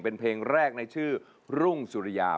เป็นเพลงแรกในชื่อรุ่งสุริยา